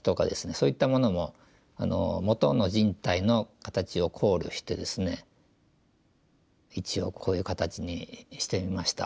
そういったものも元の人体の形を考慮してですね一応こういう形にしてみました。